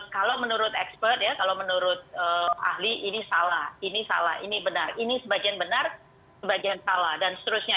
kalau menurut expert ya kalau menurut ahli ini salah ini salah ini benar ini sebagian benar sebagian salah dan seterusnya